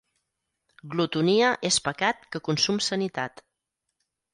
Glotonia és pecat que consum sanitat.